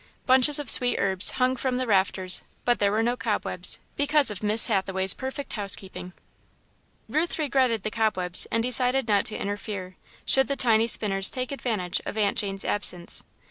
Bunches of sweet herbs hung from the rafters, but there were no cobwebs, because of Miss Hathaway's perfect housekeeping. Ruth regretted the cobwebs and decided not to interfere, should the tiny spinners take advantage of Aunt Jane's absence.